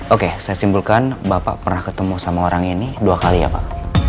oke saya simpulkan bapak pernah ketemu sama orang ini dua kali ya pak